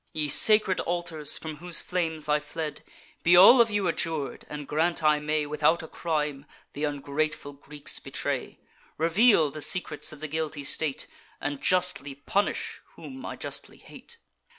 Ye sacred altars, from whose flames I fled! Be all of you adjur'd; and grant I may, Without a crime, th' ungrateful Greeks betray, Reveal the secrets of the guilty state, And justly punish whom I justly hate!